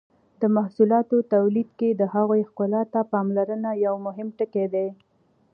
د محصولاتو تولید کې د هغوی ښکلا ته پاملرنه یو مهم ټکی دی.